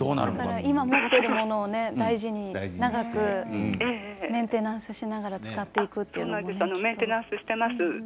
今、持っているものを大事に長くメンテナンスしながら使っていくという。